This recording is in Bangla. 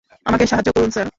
আমাকে সাহায্য করুন, স্যার।